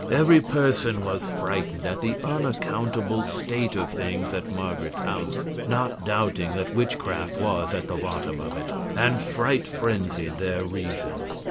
Every person was frightened at the unaccountable state of things at Marget's house, not doubting that witchcraft was at the bottom of it, and fright frenzied their reason.